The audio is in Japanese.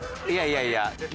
いやいやいや。